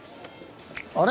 あれ？